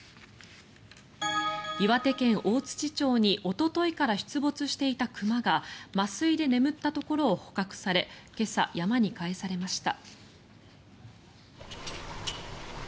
岩手県大槌町におとといから出没していた熊が麻酔で眠ったところを捕獲され今朝、山に返されました。